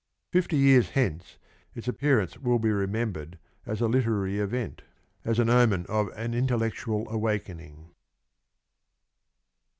... Fifty years hence, its appearance will be remembered as a literary event, as an omen of an intellectual awakening.